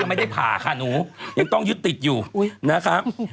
ไม่ได้ผ่าค่ะหนูยังต้องยึดติดอยู่นะครับ